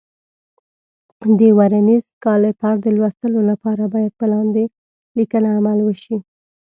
د ورنیز کالیپر د لوستلو لپاره باید په لاندې لیکنه عمل وشي.